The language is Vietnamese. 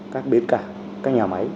các bếp cả các nhà máy